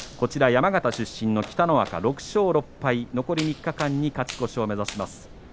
山形出身の北の若、６勝６敗残り３日間に勝ち越しを目指します。